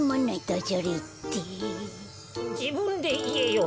じぶんでいえよ。